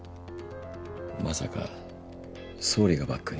まさか総理がバックに？